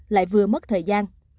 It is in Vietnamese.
hoặc mất thời gian